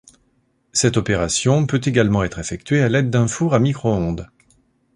Cette opération peut également être effectuée à l'aide d'un four à micro-ondes.